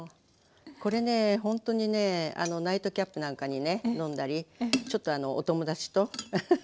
これねほんとにねナイトキャップなんかにね飲んだりちょっとお友達とアハハ。